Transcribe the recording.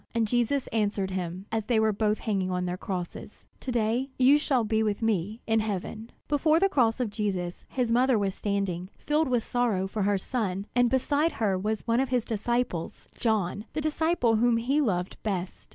And Jesus answered him, as they were both hanging on their crosses: "To day you shall be with me in heaven." Before the cross of Jesus his mother was standing, filled with sorrow for her son, and beside her was one of his disciples, John, the disciple whom he loved best.